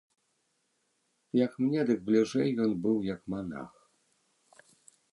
Як мне, дык бліжэй ён быў як манах.